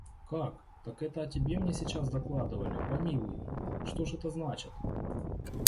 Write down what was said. – Как! Так это о тебе мне сейчас докладывали? Помилуй! что ж это значит?